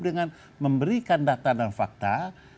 dengan memberikan data dan fakta